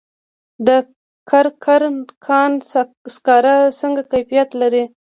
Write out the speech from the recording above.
د کرکر کان سکاره څنګه کیفیت لري؟